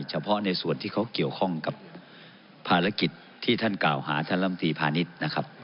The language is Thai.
เฉพาะในส่วนที่เขาเกี่ยวข้องกับภารกิจที่ท่านกล่าวหาท่านลำตีพาณิชย์นะครับ